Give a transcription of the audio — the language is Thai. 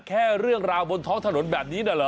แค่เรื่องราวบนท้องถนนแบบนี้น่ะเหรอ